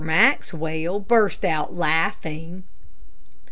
Maxwell burst out laughing.